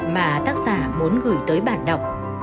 mà tác giả muốn gửi tới bạn đọc